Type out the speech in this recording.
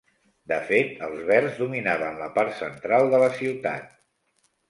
De fet, els Verds dominaven la part central de la ciutat.